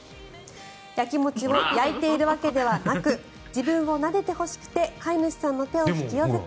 やきもちをやいているわけではなく自分をなでてほしくて飼い主さんの手を引き寄せた。